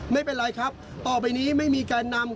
ไม่เป็นไรครับต่อไปนี้ไม่มีแกนนำ